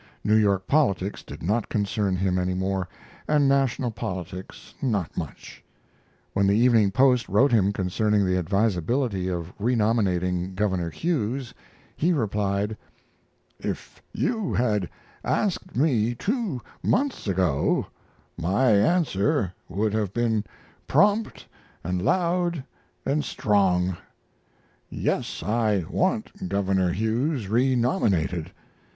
New York politics did not concern him any more, and national politics not much. When the Evening Post wrote him concerning the advisability of renominating Governor Hughes he replied: If you had asked me two months ago my answer would have been prompt & loud & strong: yes, I want Governor Hughes renominated.